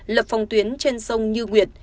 lập phòng tuyến trên sông như nguyệt